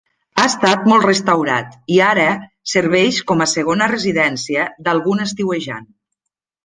Ha estat molt restaurat, i ara serveix com a segona residència d'algun estiuejant.